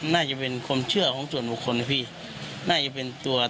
น่าจะเป็นความเชื่อของส่วนบุคคลนะพี่น่าจะเป็นตัว